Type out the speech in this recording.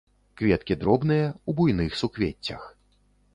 Кветкі дробныя, у буйных суквеццях.